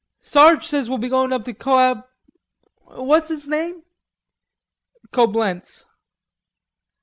Sarge says we'll be goin' up to Coab... what's its name?" "Coblenz."